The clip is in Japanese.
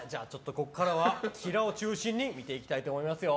ここからはキラを中心に見ていきたいと思いますよ。